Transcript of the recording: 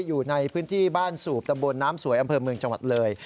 อยู่ในพื้นที่บ้านสูบตำบลน้ำสวยอำเภอเมืองจังหวัดเลย